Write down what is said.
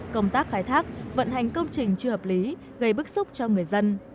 công tác khai thác vận hành công trình chưa hợp lý gây bức xúc cho người dân